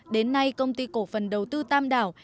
đến nay công ty cổ phần đầu tư tam đảo